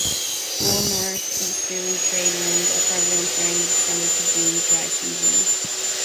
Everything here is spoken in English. Cool, northeasterly trade winds are prevalent during the December to June dry season.